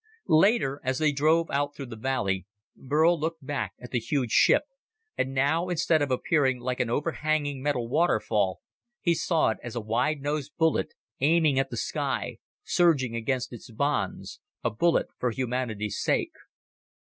Later as they drove out through the valley, Burl looked back at the huge ship, and now, instead of appearing like an overhanging metal waterfall, he saw it as a wide nosed bullet, aiming at the sky, surging against its bonds a bullet for humanity's sake.